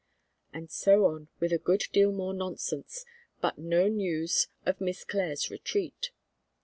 And so on, with a good deal more nonsense, but no news of Miss Clare's retreat.